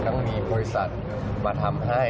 ทั้งมีบริษัทมาทำให้